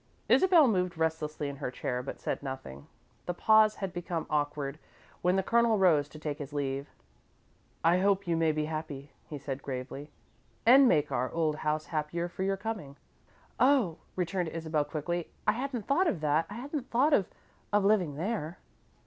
Isabel moved restlessly in her chair, but said nothing. The pause had become awkward when the Colonel rose to take his leave. "I hope you may be happy," he said, gravely, "and make our old house happier for your coming." "Oh," returned Isabel, quickly, "I hadn't thought of that. I hadn't thought of of living there."